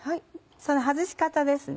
その外し方ですね。